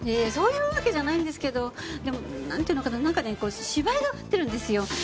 そういうわけじゃないんですけどでもなんて言うのかななんかねこう芝居がかってるんですよ。